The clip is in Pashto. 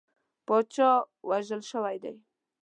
پاچا وژل شوی دی.